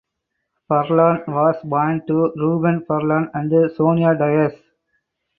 Furlan was born to Rubens Furlan and Sonia Dias.